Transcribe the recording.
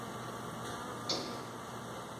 后又聘王元龄任俄语教师。